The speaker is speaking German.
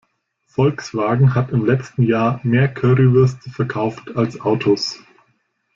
Volkswagen hat im letzten Jahr mehr Currywürste verkauft als Autos.